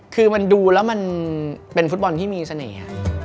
คือมันดูแล้วมันเป็นฟุตบอลที่มีเสน่ห์